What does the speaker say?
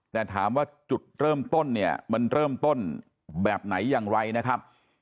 แต่ถามว่าจุดเริ่มต้นเนี่ยมันเริ่มต้นแบบไหนอย่างไรนะครับ